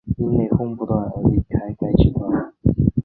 因内哄不断而离开该集团。